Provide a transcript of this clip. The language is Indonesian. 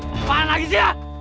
apaan lagi sih ya